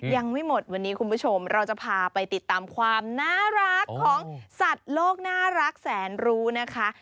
ยังไม่หมดวันนี้คุณผู้ชมเราจะพาไปติดตามความน่ารักของสัตว์โลกน่ารักแสนรู้นะคะ